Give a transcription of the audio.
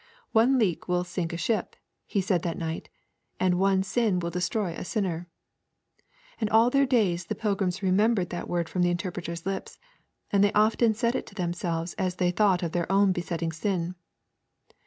'One leak will sink a ship,' he said that night, 'and one sin will destroy a sinner.' And all their days the pilgrims remembered that word from the Interpreter's lips, and they often said it to themselves as they thought of their own besetting sin.